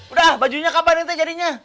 udah bajunya kapan itu jadinya